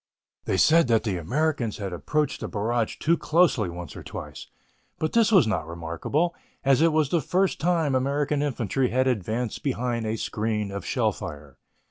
They said that the Americans had approached the barrage too closely once or twice, but this was not remarkable, as it was the first time American infantry had advanced behind a screen of shell fire.